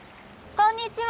こんにちは！